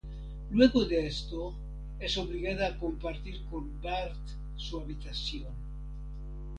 Luego de esto, es obligada a compartir con Bart su habitación.